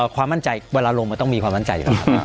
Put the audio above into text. ความมั่นใจเวลาลงมาต้องมีความมั่นใจ